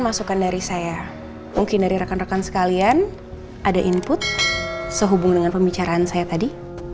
masukan dari saya mungkin dari rekan rekan sekalian ada input sehubung dengan pembicaraan saya tadi